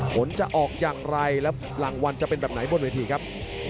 ผลจะออกอย่างไรและรางวัลจะเป็นแบบไหนบนเวทีครับ